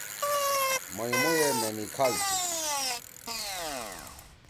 مئیموئے مینِکھال تُھو۔